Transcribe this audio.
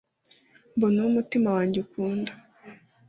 mbona uwo umutima wanjye ukunda;